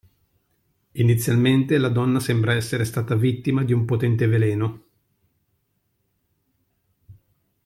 Inizialmente la donna sembra essere stata vittima di un potente veleno.